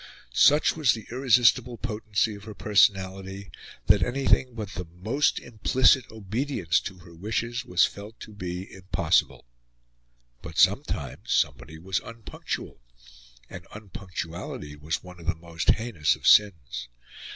Such was the irresistible potency of her personality, that anything but the most implicit obedience to her wishes was felt to be impossible; but sometimes somebody was unpunctual; and unpunctuality was one of the most heinous of sins.